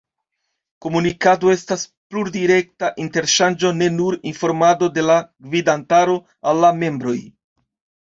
Komunikado estas plurdirekta interŝanĝo ne nur informado de la gvidantaro al la membroj.